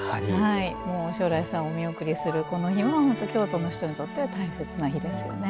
おしょらいさんをお見送りするこの日も、京都の人にとっては大切な日ですね。